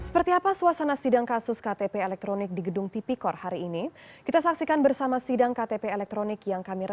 ketika mas arudin mengumpulkan pertanyaan ini adalah berlangsung beberapa menit yang lalu